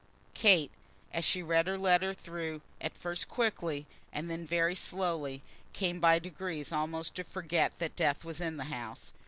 Kate, as she read her letter through, at first quickly, and then very slowly, came by degrees almost to forget that death was in the house.